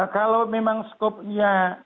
kalau memang skopnya